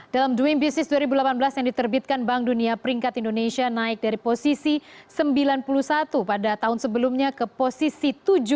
dalam doing business dua ribu delapan belas yang diterbitkan bank dunia peringkat indonesia naik dari posisi sembilan puluh satu pada tahun sebelumnya ke posisi tujuh belas